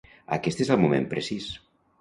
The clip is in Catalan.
Aquest és el moment precís.